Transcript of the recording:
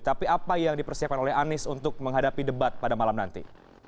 tapi apa yang dipersiapkan oleh anies untuk menghadapi debat pada malam nanti